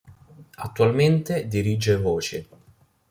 Attualmente dirige "Voci.